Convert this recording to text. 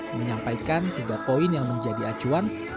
menyampaikan tiga poin yang menjadi acuan untuk meningkatkan kesehatan